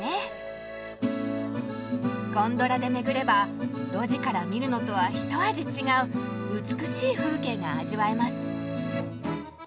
ゴンドラで巡れば路地から見るのとはひと味違う美しい風景が味わえます。